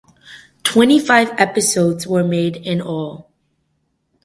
Twenty-five episodes were made in all.